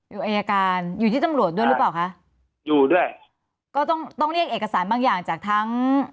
อยู่อายการอยู่ที่ตำรวจด้วยหรือเปล่าคะอยู่ด้วยก็ต้องต้องเรียกเอกสารบางอย่างจากทั้ง